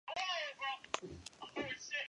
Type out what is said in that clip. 垂穗虎尾草为禾本科虎尾草属下的一个种。